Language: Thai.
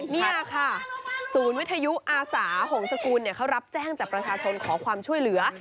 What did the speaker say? นี่ค่ะศูนย์วิทยุอาสาหงษกุลเขารับแจ้งจากประชาชนขอความช่วยเหลือ